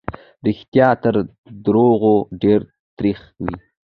رښتيا تر دروغو ډېر تريخ وي.